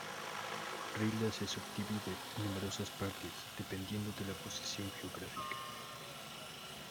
Rila se subdivide en numerosas partes dependiendo de su posición geográfica.